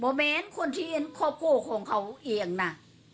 แม้คนที่เห็นครอบครัวของเขาเองน่ะ